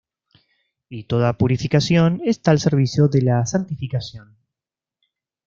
Y toda purificación está al servicio de la santificación.